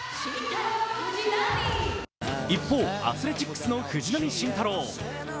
一方、アスレチックスの藤浪晋太郎。